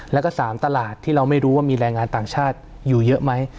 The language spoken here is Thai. แล้วก็๓ตลาดที่เราไม่รู้ว่ามีแรงงานต่างชาติอยู่เยอะไหม